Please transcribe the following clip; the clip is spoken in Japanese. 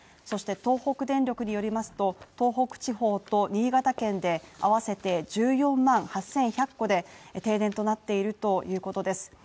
そして東北電力によりますと、東北地方と新潟県であわせて１４万８１００戸で停電となっているということです。